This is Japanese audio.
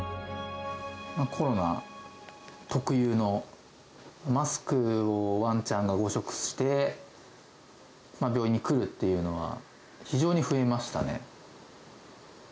コロナ特有の、マスクをワンちゃんが誤食して、病院に来るっていうのが、非常に増えましたね。